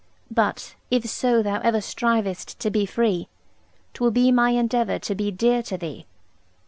But, if so thou ever Strivest to be free, 'Twill be my endeavour To be dear to thee.